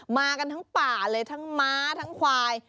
มากันทั้งป่าเลยทั้งม้าทั้งควาย